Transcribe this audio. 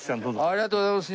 ありがとうございます。